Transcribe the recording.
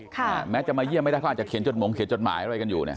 แม้จะมาเยี่ยมไม่ได้เขาอาจจะเขียนจดหงเขียนจดหมายอะไรกันอยู่เนี่ย